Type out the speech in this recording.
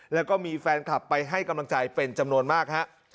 แล้วก็มีแฟนคลับไปให้กำลังใจเป็นจำนวนมากฮะ